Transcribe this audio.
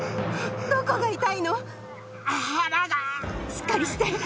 しっかりして！